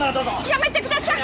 やめてください！